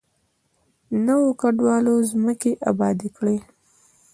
نویو کډوالو ځمکې ابادې کړې.